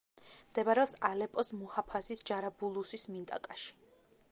მდებარეობს ალეპოს მუჰაფაზის ჯარაბულუსის მინტაკაში.